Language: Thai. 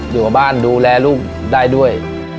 อยู่กับบ้านดูแลลูกได้ด้วย